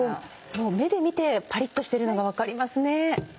もう目で見てパリっとしてるのが分かりますね。